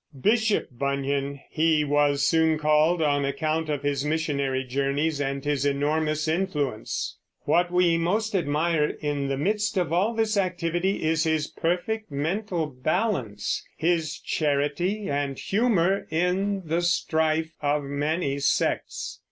"Bishop Bunyan" he was soon called on account of his missionary journeys and his enormous influence. What we most admire in the midst of all this activity is his perfect mental balance, his charity and humor in the strife of many sects.